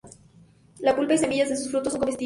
La pulpa y semillas de sus frutos son comestibles.